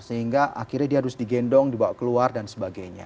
sehingga akhirnya dia harus digendong dibawa keluar dan sebagainya